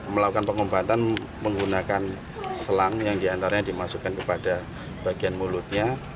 melakukan pengobatan menggunakan selang yang diantaranya dimasukkan kepada bagian mulutnya